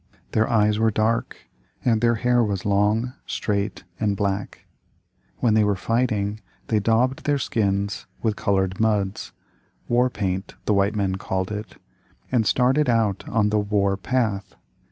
Their eyes were dark, and their hair long, straight, and black. When they were fighting, they daubed their skins with colored muds war paint the white men called it and started out on the "war path".